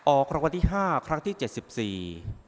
ออกคำวัติห้าครั้งที่เจ็ดสิบสี่